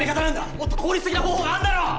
もっと効率的な方法があるだろ！